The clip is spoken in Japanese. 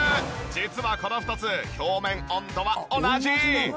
実はこの２つ表面温度は同じ。